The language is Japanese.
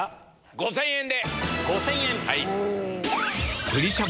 ５０００円で。